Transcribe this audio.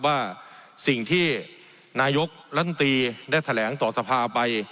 ว่าสิ่งที่นายกรัฐมนตรีได้แถลงต่อสภาไป